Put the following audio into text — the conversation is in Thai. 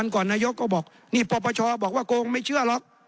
ก่อนนายกก็บอกนี่ปปชบอกว่าโกงไม่เชื่อหรอก